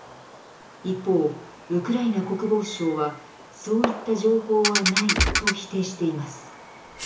一方、ウクライナ国防省はそういった情報はないと否定しています。